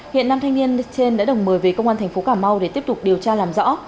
hiện nam thanh niên trên đã được mời về công an thành phố cà mau để tiếp tục điều tra làm rõ